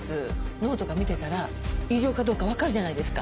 脳とか診てたら異常かどうか分かるじゃないですか。